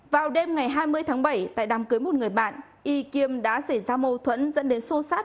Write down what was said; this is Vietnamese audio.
vào đêm ngày hai mươi tháng bảy tại đám cưới một người bạn y kiêm đã xảy ra mâu thuẫn dẫn đến sô sát